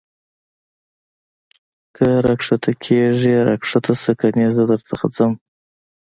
که را کښته کېږې را کښته سه کنې زه در څخه ځم.